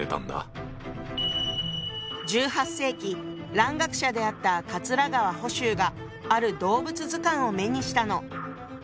１８世紀蘭学者であった桂川甫周がある動物図鑑を目にしたの。